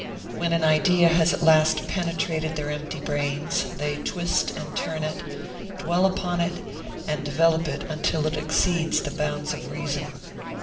When an idea has at last penetrated their empty brains, they twist and turn it, dwell upon it, and develop it until it exceeds the bounds of reason.